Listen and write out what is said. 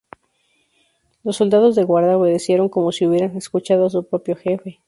Los soldados de Guarda obedecieron, como si hubieran escuchado a su propio jefe.